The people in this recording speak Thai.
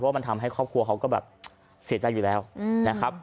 มันทำให้ครอบครัวเขาก็แบบเสียใจอยู่แล้วนะครับ